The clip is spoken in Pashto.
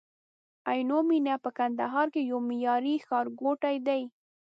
عینومېنه په کندهار کي یو معیاري ښارګوټی دی